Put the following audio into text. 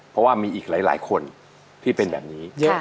เพราะว่ามีอีกหลายคนที่เป็นแบบนี้